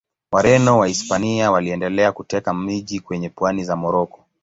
Wareno wa Wahispania waliendelea kuteka miji kwenye pwani za Moroko.